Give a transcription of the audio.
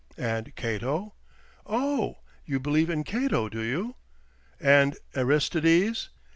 "And Cato?" "Oh, you believe in Cato, do you?" "And Aristides?"